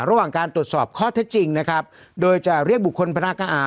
ระหว่างการตรวจสอบข้อเท็จจริงนะครับโดยจะเรียกบุคคลพนักการอ่า